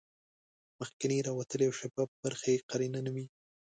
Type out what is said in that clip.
مخکینۍ راوتلې او شفافه برخه یې قرنیه نومیږي.